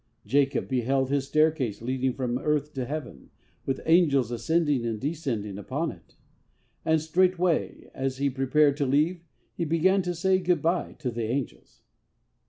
Jacob beheld his staircase leading from earth to heaven, with angels ascending and descending upon it. And straightway, as he prepared to leave, he began to say good bye to the angels!